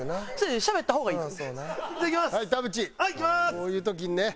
こういう時にね。